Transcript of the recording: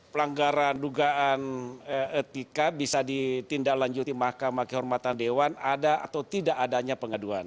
pelanggaran dugaan etika bisa ditindaklanjuti mahkamah kehormatan dewan ada atau tidak adanya pengaduan